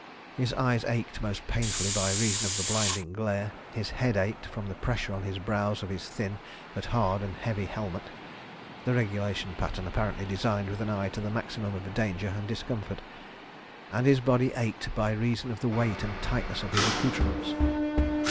His eyes ached most painfully by reason of the blinding glare, his head ached from the pressure on his brows of his thin, but hard and heavy, helmet (the regulation pattern, apparently designed with an eye to the maximum of danger and discomfort) and his body ached by reason of the weight and tightness of his accoutrements.